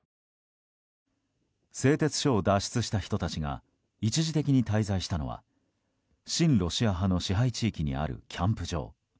製鉄所を脱出した人たちが一時的に滞在したのは親ロシア派の地域にあるキャンプ場。